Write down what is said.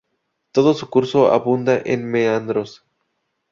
Todo su curso abunda en meandros.